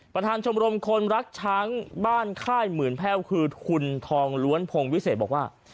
ประธานชมรมคนรักช้างบ้านค่ายหมื่นแพ่วคือคุณทองล้วนพงวิเศษบอกว่า